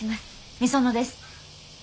御園です。